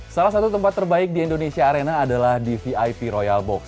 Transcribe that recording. salah satu tempat terbaik di indonesia arena adalah di vip royal box